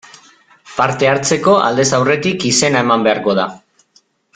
Parte hartzeko, aldez aurretik izena eman beharko da.